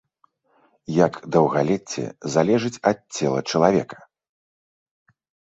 Як даўгалецце залежыць ад цела чалавека?